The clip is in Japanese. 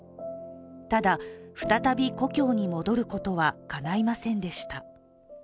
ただ、再び故郷に戻ることはかないませんでした。